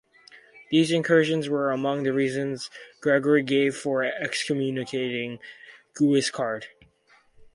These incursions were among the reasons Gregory gave for excommunicating Guiscard.